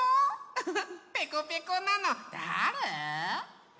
ウフフペコペコなのだあれ？